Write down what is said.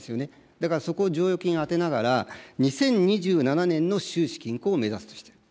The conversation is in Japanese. だから、そこを剰余金を充てながら、２０２７年の収支均衡を目指すとしている。